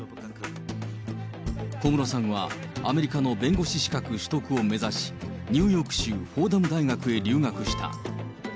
小室さんはアメリカの弁護士資格取得を目指し、ニューヨーク州、フォーダム大学へ留学した。